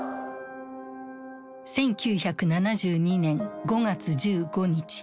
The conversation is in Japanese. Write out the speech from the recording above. １９７２年５月１５日。